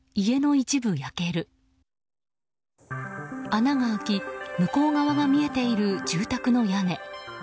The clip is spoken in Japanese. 穴が開き向こう側が見えている住宅の屋根。